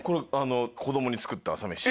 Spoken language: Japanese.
子供に作った朝飯。